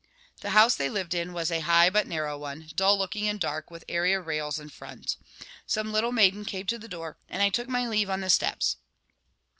The house they lived in was a high but narrow one, dull looking and dark, with area rails in front. Some little maiden came to the door, and I took my leave on the steps.